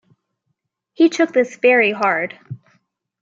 He took this very hard.